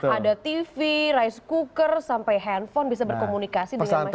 ada tv rice cooker sampai handphone bisa berkomunikasi dengan masyarakat